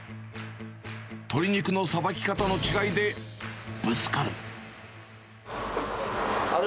鶏肉のさばき方の違いでぶつかる。